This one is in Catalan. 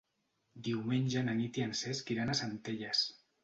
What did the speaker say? Diumenge na Nit i en Cesc iran a Centelles.